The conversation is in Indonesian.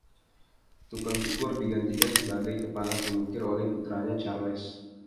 Tukang cukur digantikan sebagai Kepala Pengukir oleh putranya Charles.